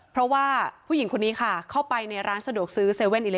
เพราะว่าผู้หญิงคนนี้ค่ะเข้าไปในร้านสะดวกซื้อ๗๑๑